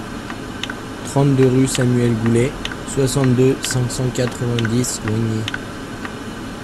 trente-deux rue Samuel Goulet, soixante-deux, cinq cent quatre-vingt-dix, Oignies